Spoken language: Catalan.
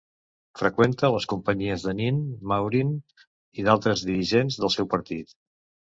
Freqüenta les companyies de Nin, Maurin i d'altres dirigents del seu partit.